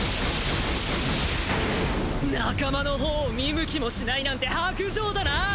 仲間の方を見向きもしないなんて薄情だな！